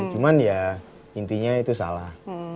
cuman ya intinya itu salah